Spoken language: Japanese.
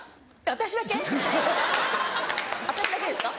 私だけですか？